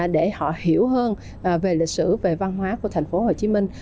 để họ hiểu hơn về lịch sử về văn hóa của tp hcm